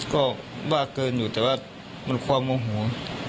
ก็บ้าเกินอยู่แต่ว่ามันความโมโห